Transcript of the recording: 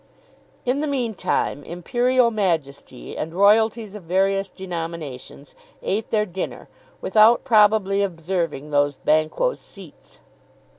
In the meantime, Imperial Majesty and Royalties of various denominations ate their dinner, without probably observing those Banquo's seats.